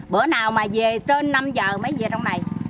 bữa nào mà về trên năm giờ mới về trong này